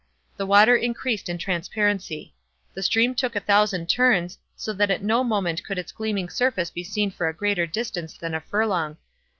The water increased in transparency. The stream took a thousand turns, so that at no moment could its gleaming surface be seen for a greater distance than a furlong.